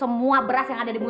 udah pulang ya ampun